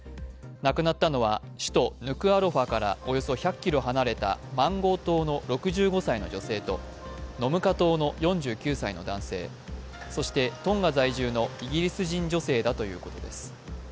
亡くなったのは首都ヌクアロファからおよそ１００ｋｍ離れたマンゴー島の６５歳の女性とノムカ島の４９歳の男性、そしてトンガ在住のイギリス人女性だということです。